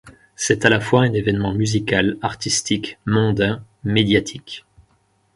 C'est à la fois un évènement musical, artistique, mondain, médiatique.